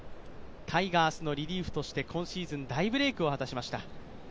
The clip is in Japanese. タイガースのリリーフとして今シーズン大ブレークを果たしました。